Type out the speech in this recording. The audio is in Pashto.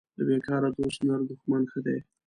له بیکاره دوست نر دښمن ښه دی